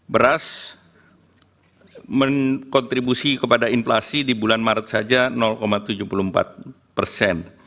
beras menkontribusi kepada inflasi di bulan maret saja tujuh puluh empat persen